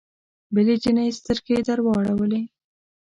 بلې جینۍ سترګې درواړولې